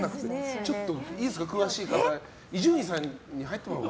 ちょっといいですか、詳しい方伊集院さんに入ってもらおうか。